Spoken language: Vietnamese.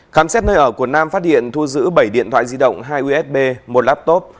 khám xét nơi ở của nam phát hiện thu giữ bảy điện thoại di động hai usb một laptop